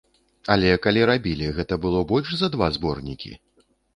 Але калі рабілі, гэта было больш за два зборнікі?